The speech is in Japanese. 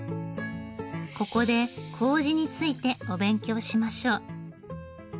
ここで麹についてお勉強しましょう。